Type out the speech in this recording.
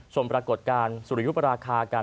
ชมปรากฏการณ์สุริยุปราคากัน